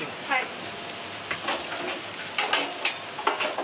はい。